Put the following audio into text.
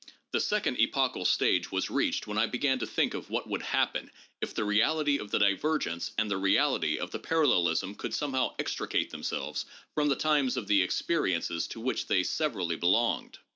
The second epochal stage was reached when I began to think of what would happen if the reality of the divergence and the reality of the parallelism could somehow extricate themselves from the times of the experiences to which they severally belonged.